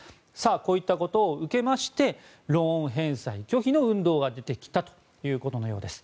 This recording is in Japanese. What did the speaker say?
こういったことを受けてローン返済拒否の運動が出てきたということのようです。